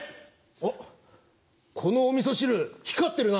おっこのおみそ汁光ってるな。